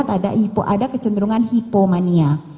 terlihat ada kecenderungan hipomania